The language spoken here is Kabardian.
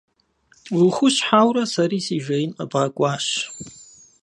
Ухущхьэурэ сэри си жеин къэбгъэкӏуащ.